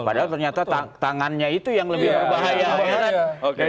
padahal ternyata tangannya itu yang lebih berbahaya